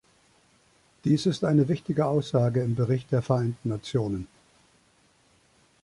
Dies ist eine wichtige Aussage im Bericht der Vereinten Nationen.